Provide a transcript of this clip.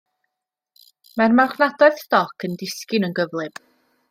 Mae'r marchnadoedd stoc yn disgyn yn gyflym.